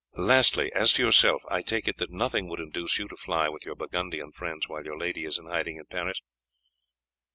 "Lastly, as to yourself, I take it that nothing would induce you to fly with your Burgundian friends while your lady is in hiding in Paris?"